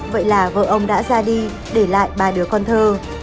vậy là vợ ông đã ra đi để lại ba đứa con thơ